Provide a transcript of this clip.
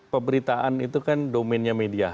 pemberitaan itu kan domennya media